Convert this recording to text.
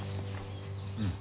うん。